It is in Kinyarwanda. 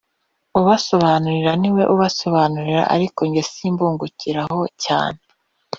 ubasobanurira niwe usobanurira ariko nge simbungukiraho cyane